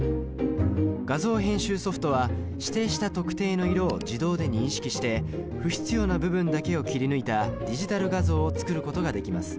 画像編集ソフトは指定した特定の色を自動で認識して不必要な部分だけを切り抜いたディジタル画像を作ることができます。